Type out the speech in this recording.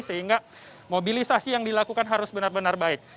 sehingga mobilisasi yang dilakukan harus benar benar baik